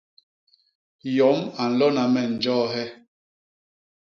Yom a nlona me njoohe.